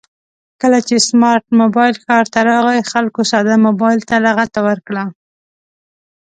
کله چې سمارټ مبایل ښار ته راغی خلکو ساده مبایل ته لغته ورکړه